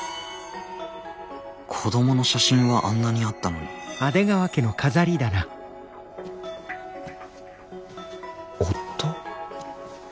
子供の写真はあんなにあったのに夫。